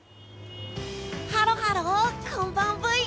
ハロハロこんばんブイ！